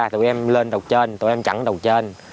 tội em lên đầu trên tội em chặn đầu trên